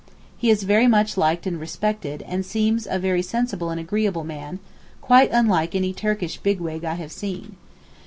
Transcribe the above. He is very much liked and respected, and seems a very sensible and agreeable man, quite unlike any Turkish big wig I have seen.